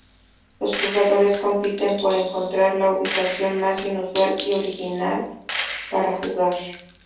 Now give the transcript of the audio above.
Los jugadores compiten por encontrar la ubicación más inusual y original para jugar.